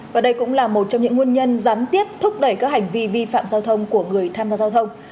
và đây cũng là một trong những nguyên nhân gián tiếp thúc đẩy các hành vi vi phạm giao thông của người tham gia giao thông